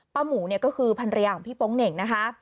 ป้าหมูก็คือภรรยาของพี่โป๊งเหน่งนะคะ